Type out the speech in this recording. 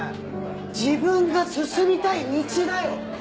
自分が進みたい道だよ。